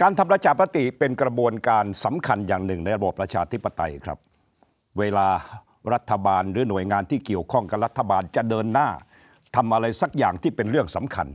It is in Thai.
ทำประชาปติเป็นกระบวนการสำคัญอย่างหนึ่งในระบบประชาธิปไตยครับเวลารัฐบาลหรือหน่วยงานที่เกี่ยวข้องกับรัฐบาลจะเดินหน้าทำอะไรสักอย่างที่เป็นเรื่องสำคัญ